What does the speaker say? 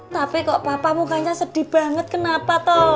tapi kok papa mukanya sedih banget kenapa toh